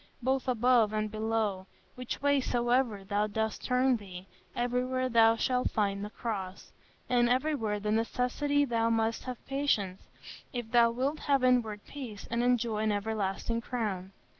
Both above and below, which way soever thou dost turn thee, everywhere thou shalt find the Cross; and everywhere of necessity thou must have patience, if thou wilt have inward peace, and enjoy an everlasting crown....